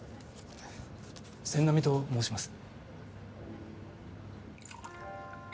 千波と申します。